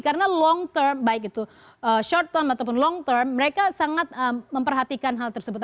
karena long term baik itu short term ataupun long term mereka sangat memperhatikan hal tersebut